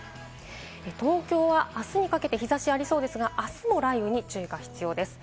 東京はあすにかけて日差しがありそうですが、あすも雷雨に注意が必要です。